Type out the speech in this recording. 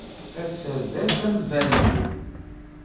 Ass-a d ass ambandu.